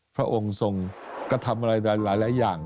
พระองค์ทรงกระทำอะไรหลายอย่าง